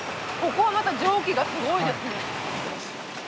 ここはまた蒸気がすごいですね。